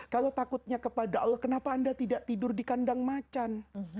kalau takutnya kepada allah kenapa anda tidak tidur di kandang macan